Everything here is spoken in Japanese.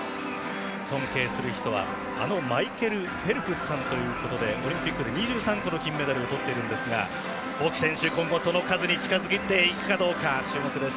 尊敬する人はあのマイケル・フェルプスさんということでオリンピックで２３個の金メダルをとっているんですがボキ選手、今後、その数に近づけていくかどうか注目です。